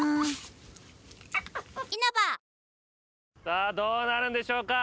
さあどうなるんでしょうか？